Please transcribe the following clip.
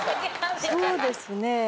そうですねぇ。